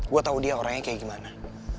gue tau dia orangnya kayak gimana